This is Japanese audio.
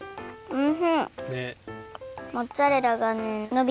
うん！